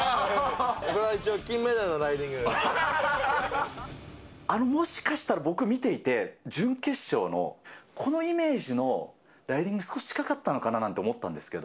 これは一応、金メダルのライディもしかしたら僕、見ていて、準決勝のこのイメージのライディングに少し近かったのかなと思ったんですけど。